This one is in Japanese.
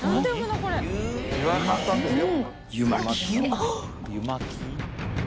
字は簡単ですよ。